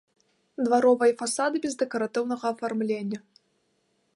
Дваровыя фасады без дэкаратыўнага афармлення.